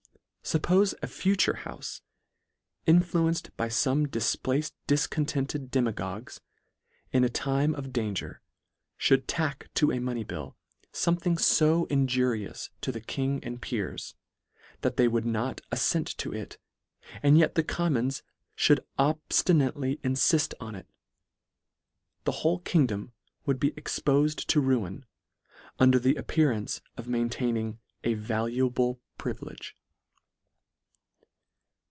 Suppofe a future houfe ; influenced by fome difplaced difcontented demagogues, in a time of dan ger, ftiould tack to a money bill fomething fo injurious to the king and peers, that they would not affent to it and yet the Commons (houldobftinately inlift on it; the wholeking dom would be expofed to ruin, under the ap pearance of maintaining a valuable privilege.